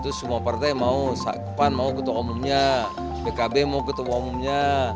itu semua partai yang mau sa'qepan mau ketua umumnya bkb mau ketua umumnya